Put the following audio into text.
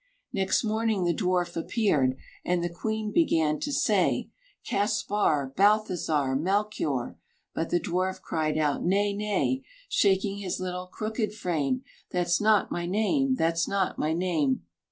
Next morning the dwarf appeared, And the queen began to say, "Caspar," "Balthassar," "Melchoir" But the dwarf cried out, "Nay, nay!" Shaking his little crooked frame, "That's not my name, that's not my name!"